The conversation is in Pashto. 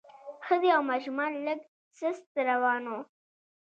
ښځې او ماشومان لږ سست روان وو.